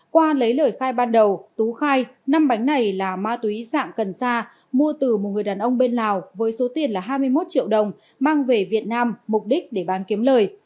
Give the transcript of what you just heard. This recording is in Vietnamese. qua lấy lời khai ban đầu tú khai năm bánh này là ma túy dạng cần sa mua từ một người đàn ông bên lào với số tiền là hai mươi một triệu đồng mang về việt nam mục đích để bán kiếm lời